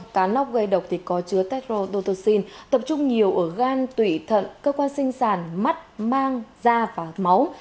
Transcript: cá nóc gây độc thì có chứa tetrodotoxin tập trung nhiều ở gan tủy thận cơ quan sinh sản mắt mang da và máu